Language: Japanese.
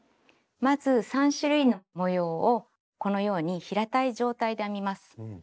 まず３種類の模様をこのように平たい状態で編みます。